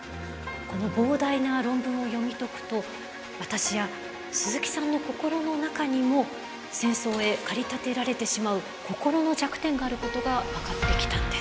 この膨大な論文を読み解くと私や鈴木さんの心の中にも戦争へ駆り立てられてしまう心の弱点があることが分かってきたんです。